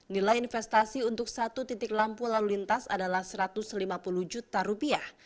nilai investasi untuk satu titik lampu lalu lintas adalah satu ratus lima puluh juta rupiah